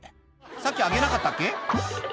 さっきあげなかったっけ？」